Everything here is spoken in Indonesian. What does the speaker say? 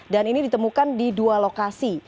dan ini ditemukan di dua lokasi